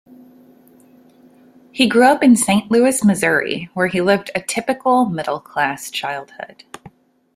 He grew up in Saint Louis, Missouri, where he lived a "typical middle-class childhood".